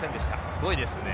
すごいですね。